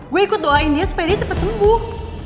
gue ikut doain dia supaya dia cepat sembuh